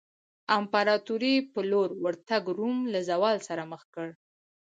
امپراتورۍ په لور ورتګ روم له زوال سره مخ کړ.